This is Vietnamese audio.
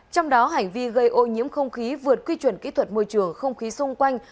trong đó hành vi gây ô nhiễm không khí vượt quy chuẩn kỹ thuật môi trường không khí xung quanh